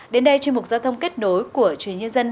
đến đây chuyên mục giao thông kết nối của truyền hình nhân dân